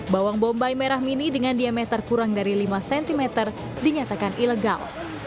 bawang bombay merah mini dengan diameter kurang dari lima cm dinyatakan ilegal